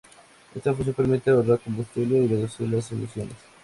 Esta función permite ahorrar combustible y reducir las emisiones.